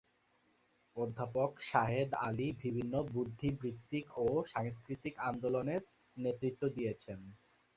অধ্যাপক শাহেদ আলী বিভিন্ন বুদ্ধিবৃত্তিক ও সাংস্কৃতিক আন্দোলনের নেতৃত্ব দিয়েছেন।